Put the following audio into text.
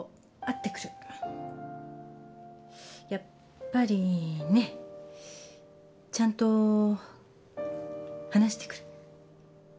やっぱりねちゃんと話してくる。